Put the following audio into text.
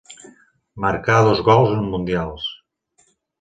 Marcà dos gols en mundials.